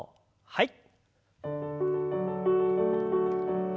はい。